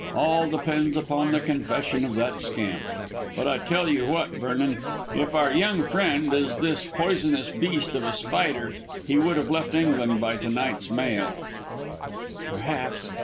All depends upon the confession of that scamp. But, I tell you what, Vernon, if our young friend is this poisonous beast of a Spider he will have left England by to night's mail." "Perhaps.